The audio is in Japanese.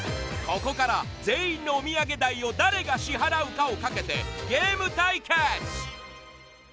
ここから全員のおみやげ代を誰が支払うかを賭けてゲーム対決！